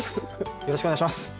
よろしくお願いします！